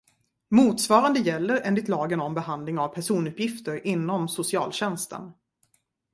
Motsvarande gäller enligt lagen om behandling av personuppgifter inom socialtjänsten.